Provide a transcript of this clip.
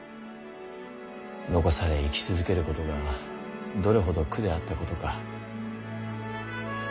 残され生き続けることがどれほど苦であったことか。